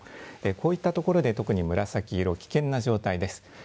こういったところで特に紫色、危険な状態です。